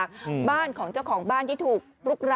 เห็นมั้ยก็ยังไม่ยอมกลับอ่ะ